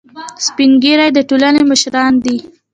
سپین ږیری د ټولنې مشران دي